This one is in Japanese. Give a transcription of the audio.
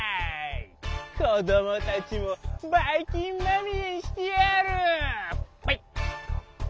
こどもたちもバイきんまみれにしてやるバイ。